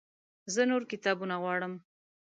زه نور کتابونه غواړم